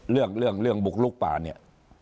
เรื่องเรื่องเรื่องบุกรุกป่าเนี่ย